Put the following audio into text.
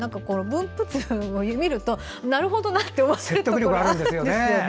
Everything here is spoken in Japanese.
実際、分布図を見るとなるほどなって思うところがあるんですよね。